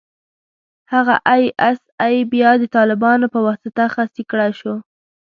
هغه ای اس ای بيا د طالبانو په واسطه خصي کړای شو.